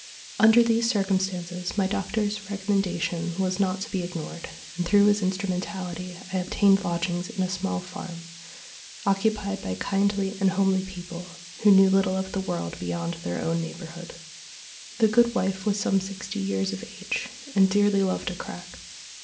Under these circumstances my doctor's recommendation was not to be ignored, and, through his instrumentality, I obtained lodgings in a small farm, occupied by kindly and homely people, who knew little of the world beyond their own neighbourhood. The good wife was some sixty years of age, and dearly loved a crack.